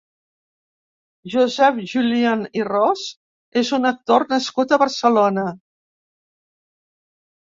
Josep Julien i Ros és un actor nascut a Barcelona.